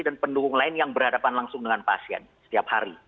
dan pendukung lain yang berhadapan langsung dengan pasien setiap hari